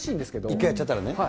１回やっちゃったらね。